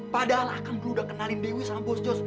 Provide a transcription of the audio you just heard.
padahal akan gue udah kenalin dewi sama bos jos